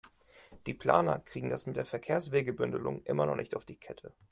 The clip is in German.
Die Planer kriegen das mit der Verkehrswegebündelung immer noch nicht auf die Kette.